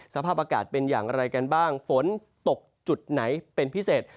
สภาพอากาศเป็นอย่างไรกันบ้างฝนตกจุดไหนเป็นพิเศษ